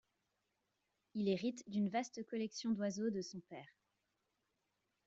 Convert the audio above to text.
Il hérite d'une vaste collection d'oiseaux de son père.